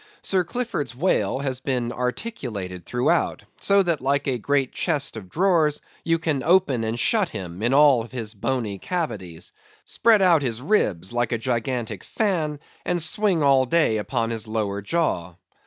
Sir Clifford's whale has been articulated throughout; so that, like a great chest of drawers, you can open and shut him, in all his bony cavities—spread out his ribs like a gigantic fan—and swing all day upon his lower jaw.